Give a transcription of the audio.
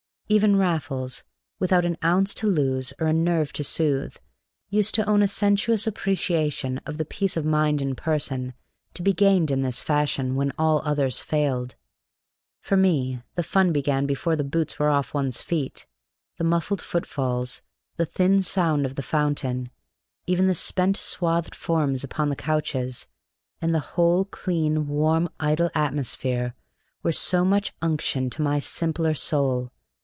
Even Raffles, without an ounce to lose or a nerve to soothe, used to own a sensuous appreciation of the peace of mind and person to be gained in this fashion when all others failed. For me, the fun began before the boots were off one's feet; the muffled footfalls, the thin sound of the fountain, even the spent swathed forms upon the couches, and the whole clean, warm, idle atmosphere, were so much unction to my simpler soul.